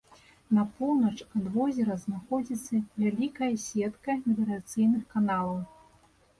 На поўнач ад возера знаходзіцца вялікая сетка меліярацыйных каналаў.